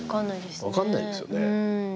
分かんないですよね。